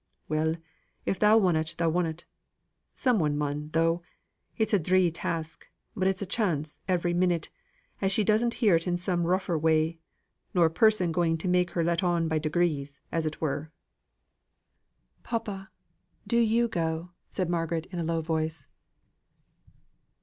"Well, if thou wunnot thou wunnot. Some one mun though. It's a dree task; but it's a chance, every minute, as she doesn't hear on it in some rougher way nor a person going to make her let on by degrees, as it were." "Papa, do you go," said Margaret, in a low voice.